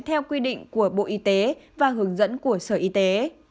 theo quy định của bộ y tế và hướng dẫn của sở y tế